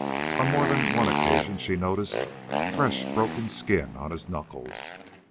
On more than one occasion she noticed fresh broken skin on his knuckles.